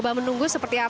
gak ada yang berjelak